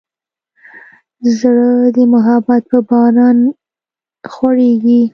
زړه د محبت په باران غوړېږي.